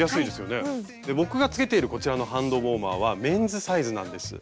僕がつけているこちらのハンドウォーマーはメンズサイズなんです。